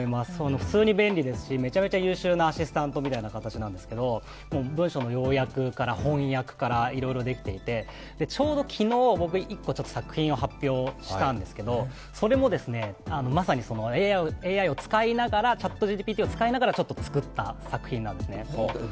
普通に便利ですし、めちゃめちゃ優秀なアシスタントみたいな感じなんですけどもう文書の要約から翻訳からいろいろできていて、ちょうど昨日、１個作品を発表したんですけどそれもまさにＡＩを使いながら、ＣｈａｔＧＰＴを使いながら、ちょっと作った作品なんですね。